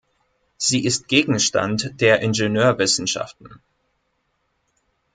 Sie ist Gegenstand der Ingenieurwissenschaften.